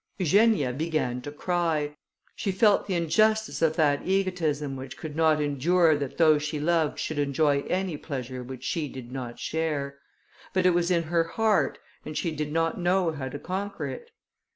Eugenia began to cry: she felt the injustice of that egotism, which could not endure that those she loved should enjoy any pleasure which she did not share; but it was in her heart, and she did not know how to conquer it.